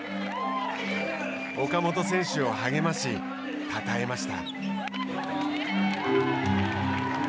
岡本選手を励ましたたえました。